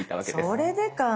それでか。